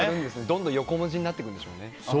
どんどん横文字になってくるんでしょうね。